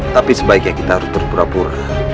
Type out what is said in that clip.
tapi sebaiknya kita harus berpura pura